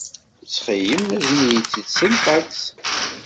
Ttxil-m, azen-iyi-tt-id s lfaks.